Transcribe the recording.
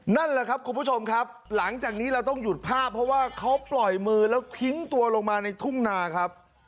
นั่นแหละครับคุณผู้ชมครับหลังจากนี้เราต้องหยุดภาพเพราะว่าเขาปล่อยมือแล้วทิ้งตัวลงมาในทุ่งนาครับ